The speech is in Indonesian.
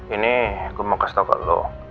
ini gue mau kasih tau ke lo